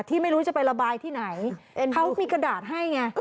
ไม่รู้จะไประบายที่ไหนเขามีกระดาษให้ไง